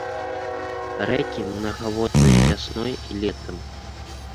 Рэкі мнагаводныя вясной і летам.